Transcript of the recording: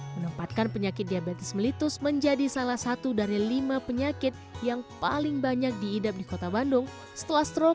menempatkan penyakit diabetes melitus menjadi salah satu dari lima penyakit yang paling banyak diidap di kota bandung setelah stroke